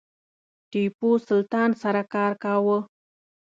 ټیپو سلطان سره کار کاوه.